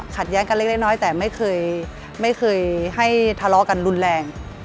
แย้งกันเล็กน้อยแต่ไม่เคยไม่เคยให้ทะเลาะกันรุนแรง